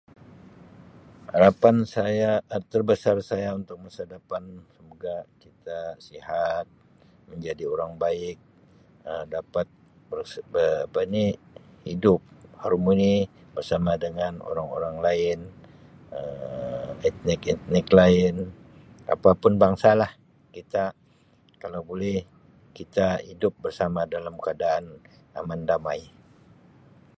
Harapan saya terbesar saya untuk masa depan semoga kita sihat menjadi orang baik Um dapat Um apa ni hidup harmoni bersama dengan orang-orang lain Um etnik-etnik lain apa pun bangsa la kita kalau boleh kita hidup bersama dalam keadaan aman damai.